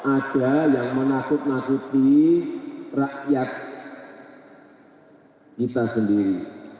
ada yang menakut nakuti rakyat kita sendiri